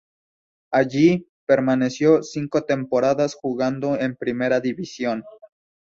Allí, permaneció cinco temporadas jugando en Primera División.